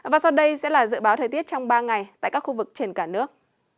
và sau đây sẽ là dự báo thời tiết trong ba ngày tại các khu vực trên cả nước